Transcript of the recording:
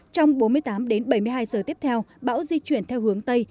trong bốn mươi tám đến bảy mươi hai giờ tiếp theo bão di chuyển theo hướng tây